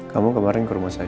kamu kemarin ke rumah saya